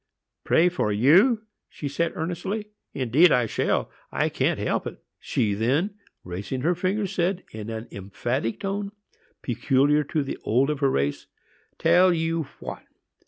"Pray for you!" she said, earnestly. "Indeed I shall,—I can't help it." She then, raising her finger, said, in an emphatic tone, peculiar to the old of her race, "Tell you what!